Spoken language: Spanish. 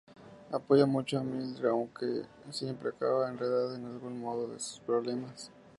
Apoya mucho a Mildred aunque siempre acaba enredada de algún modo en sus problemas.